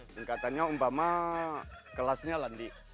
tingkatannya umpama kelasnya landik